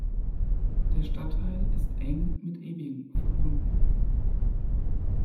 Der Stadtteil ist eng mit Eving verbunden.